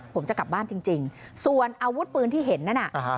ผมจะกลับบ้านจริงส่วนอาวุธปืนที่เห็นนั่นน่ะ